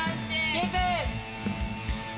キープ。